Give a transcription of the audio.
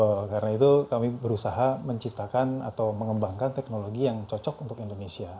betul karena itu kami berusaha menciptakan atau mengembangkan teknologi yang cocok untuk indonesia